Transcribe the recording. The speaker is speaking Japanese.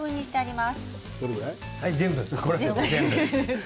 全部。